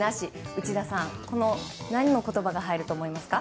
内田さん、これに何の言葉が入ると思いますか？